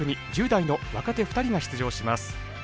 １０代の若手２人が出場します。